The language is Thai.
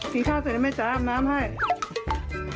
กินข้าวเสร็จได้ไหมจ๊ะอาบน้ำให้